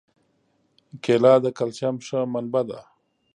کېله د کلسیم ښه منبع ده.